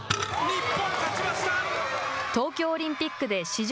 東京オリンピックで史上